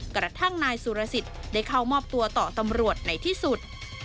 กระทั่งนายสุรสิทธิ์ได้เข้ามอบตัวต่อตำรวจในที่สุด